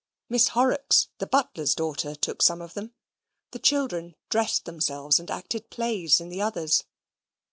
Miss Horrocks, the butler's daughter, took some of them. The children dressed themselves and acted plays in the others.